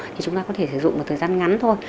thì chúng ta có thể sử dụng một thời gian ngắn thôi